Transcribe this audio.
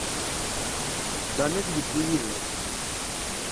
Dan ad yeddu yid-wen.